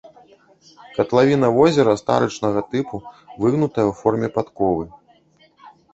Катлавіна возера старычнага тыпу, выгнутая ў форме падковы.